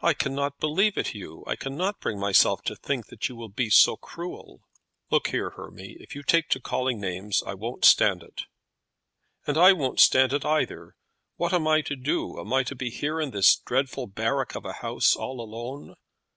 "I cannot believe it, Hugh; I cannot bring myself to think that you will be so cruel." "Look here, Hermy, if you take to calling names I won't stand it." "And I won't stand it, either. What am I to do? Am I to be here in this dreadful barrack of a house all alone?